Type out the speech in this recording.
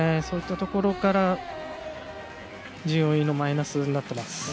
そういったところからＧＯＥのマイナスになっています。